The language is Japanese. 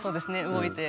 動いて。